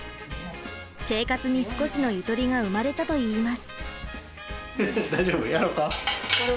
生活に少しのゆとりが生まれたと言います。